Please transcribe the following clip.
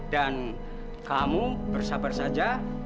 dan kamu bersabar saja